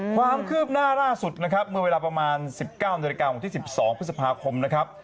ความคืบหน้าล่าสุดนะครับเมื่อเวลาประมาณ๑๙นาฬิกาวันที่๑๒พฤษภาคมนะครับ